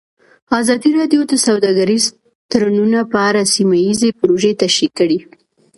ازادي راډیو د سوداګریز تړونونه په اړه سیمه ییزې پروژې تشریح کړې.